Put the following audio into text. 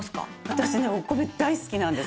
私ねお米大好きなんです。